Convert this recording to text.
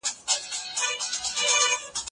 هغه ټولنه چي نظم نلري ويجاړيږي.